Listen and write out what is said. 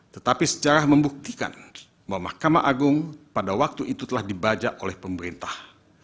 tetapi sejarah membuktikan bahwa mahkamah agung pada waktu itu telah dibajak oleh pemerintah